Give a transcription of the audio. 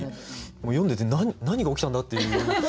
読んでて「何が起きたんだ！？」っていう。